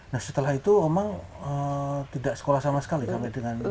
nah setelah itu omang tidak sekolah sama sekali sampai dengan